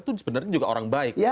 itu sebenarnya juga orang baik